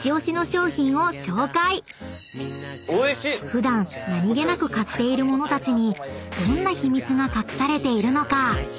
［普段何げなく買っているものたちにどんな秘密が隠されているのか？］